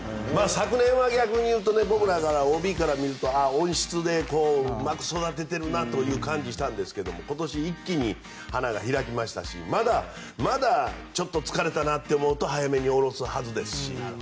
昨年は逆に言うと僕らＯＢから見ると温室でうまく育てているなという感じがしたんですが今年、一気に花が開きましたしまだちょっと疲れたなと思うと早めに降ろすはずですし。